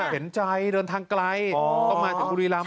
เห็นใจเดินทางไกลต้องมาถึงบุรีรำ